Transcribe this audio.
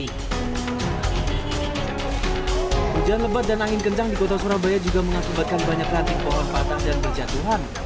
hujan lebat dan angin kencang di kota surabaya juga mengakibatkan banyak ranting pohon patah dan berjatuhan